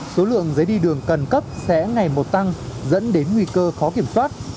số lượng giấy đi đường cần cấp sẽ ngày một tăng dẫn đến nguy cơ khó kiểm soát